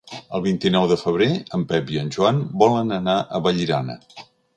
El vint-i-nou de febrer en Pep i en Joan volen anar a Vallirana.